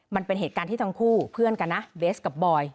มันเป็นเหตุการณ์ที่ทั้งคู่เพื่อนกันนะเบสกับบอย